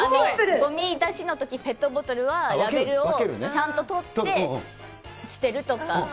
ごみ出しのとき、ペットボトルはラベルをちゃんと取って、捨てるとか。